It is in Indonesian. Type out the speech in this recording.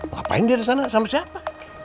ngapain dia disana sama siapa